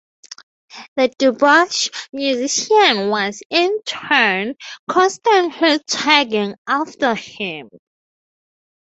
The "debauched" musician was, in turn, "constantly tagging after him.